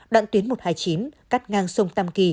đoạn tuyến một trăm hai mươi chín cắt ngang sông tam kỳ